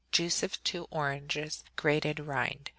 Juice of 2 oranges. Grated rind.